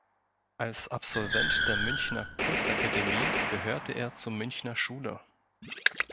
Als Absolvent der Münchner Kunstakademie gehörte er zur Münchner Schule.